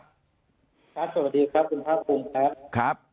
ครับสวัสดีครับคุณพระอาคมครับ